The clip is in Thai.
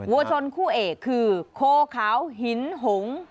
วัวชนคู่เอกคือโคขาวหินหง